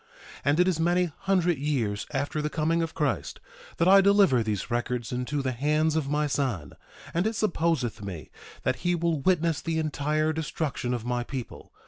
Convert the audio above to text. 1:2 And it is many hundred years after the coming of Christ that I deliver these records into the hands of my son; and it supposeth me that he will witness the entire destruction of my people.